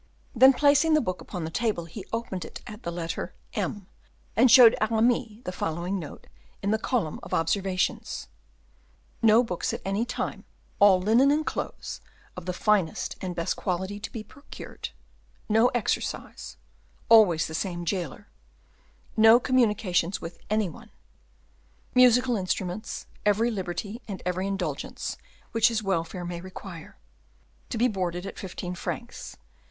Then placing the book upon the table, he opened it at the letter "M," and showed Aramis the following note in the column of observations: "No books at any time; all linen and clothes of the finest and best quality to be procured; no exercise; always the same jailer; no communications with any one. Musical instruments; every liberty and every indulgence which his welfare may require; to be boarded at fifteen francs.